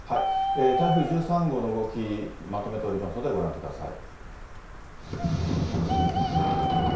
台風１３号の動き、まとめておりますのでご覧ください。